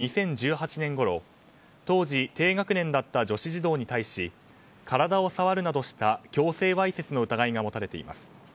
関係者などによりますと元教師は２０１８年ごろ当時、低学年だった女子児童に対し体を触るなどした強制わいせつの疑いが持たれています。